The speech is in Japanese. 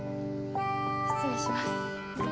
失礼します。